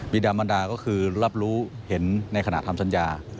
ดามันดาก็คือรับรู้เห็นในขณะทำสัญญา